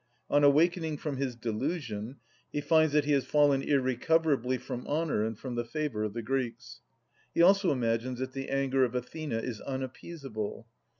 On awakening from his delusion, he finds that he has fallen irrecoverably from honour and from the favour of the Greeks. He also imagines that the anger of Athena is unappeasable.